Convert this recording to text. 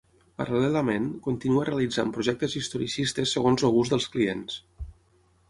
Paral·lelament, continua realitzant projectes historicistes segons el gust dels clients.